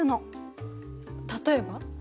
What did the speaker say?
例えば？